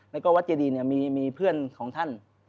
แล้วก็วัดเจดีมีเพื่อนของท่าน